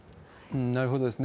なるほどですね。